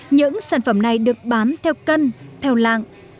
những sản phẩm này được bán theo cân theo lạng